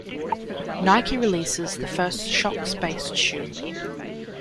Nike releases the first Shox based shoe.